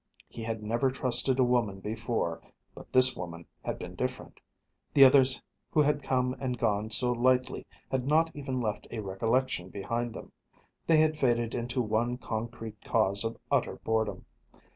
He had never trusted a woman before, but this woman had been different. The others who had come and gone so lightly had not even left a recollection behind them; they had faded into one concrete cause of utter boredom.